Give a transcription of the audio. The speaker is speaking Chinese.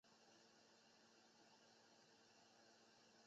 教堂始建于何时不得而知。